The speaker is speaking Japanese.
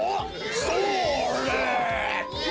それ！